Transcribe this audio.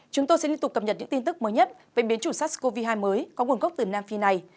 chúng tôi sẽ liên tục cập nhật những tin tức mới nhất về biến chủng sars cov hai mới có nguồn gốc từ nam phi này